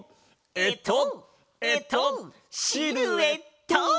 えっとえっとシルエット！